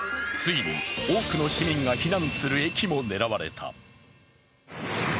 ついに多くの市民が避難する駅も狙われた。